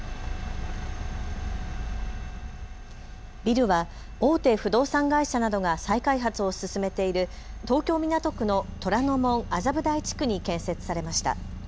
ビルは大手不動産会社などが再開発を進めている東京港区の虎ノ門麻布台地区に建設されました。